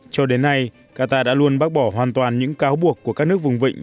cho đến nay qatar đã luôn bác bỏ hoàn toàn những cáo buộc của các nước vùng vịnh